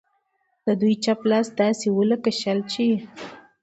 د دوی چپ لاس به داسې و لکه شل چې وي.